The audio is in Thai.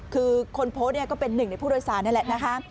คือคนโพสต์เนี่ยก็เป็นหนึ่งในผู้โดยสารนั่นแหละนะคะ